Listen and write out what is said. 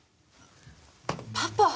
パパ。